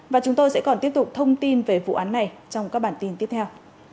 và chúng tôi sẽ còn tiếp tục thông tin về vụ án này trong các bản tin tiếp theo